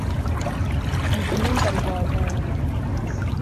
Ni inyumba rwabunga